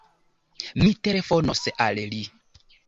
Mi telefonos al li.